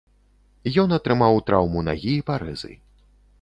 Ён атрымаў траўму нагі і парэзы.